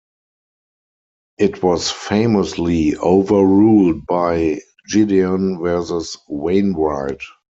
It was famously overruled by "Gideon versus Wainwright".